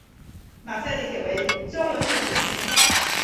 马赛地铁为胶轮路轨系统。